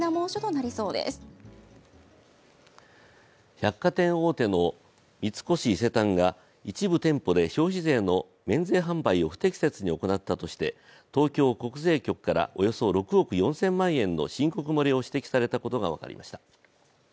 百貨店大手の三越伊勢丹が一部店舗で消費税の免税販売を不適切に行ったとして東京国税局からおよそ６億４０００万円の申告漏れを指摘されたことが分かりました。